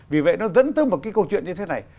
vì vậy nó dẫn tới một cái câu chuyện như thế này